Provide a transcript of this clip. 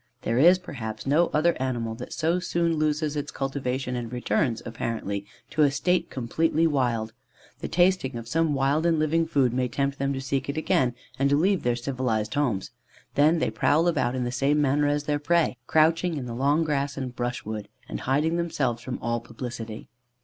There is, perhaps, no other animal that so soon loses its cultivation and returns apparently to a state completely wild: the tasting of some wild and living food may tempt them to seek it again and to leave their civilized homes. They then prowl about in the same manner as their prey, couching in the long grass and brush wood, and hiding themselves from all publicity."